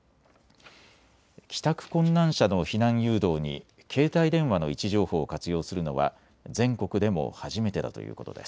帰宅困難者の避難誘導に携帯電話の位置情報を活用するのは全国でも初めてだということです。